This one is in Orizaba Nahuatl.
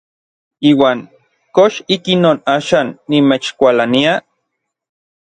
Iuan ¿kox ikinon axan nimechkualania?